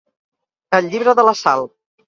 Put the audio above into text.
El llibre de la Sal.